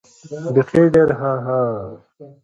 بېخي ډېر هههه.